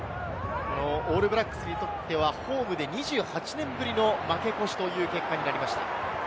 オールブラックスにとってはホームで２８年ぶりの負け越しという結果になりました。